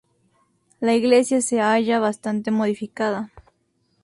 La iglesia se halla bastante modificada.